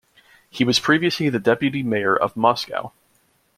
He was previously the deputy mayor of Moscow.